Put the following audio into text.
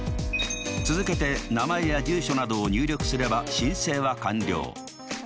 続けて名前や住所などを入力すれば申請は完了。